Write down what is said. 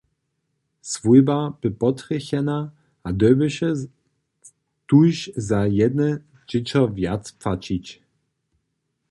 Swójba bě potrjechena a dyrbješe tuž za jedne dźěćo wjac płaćić.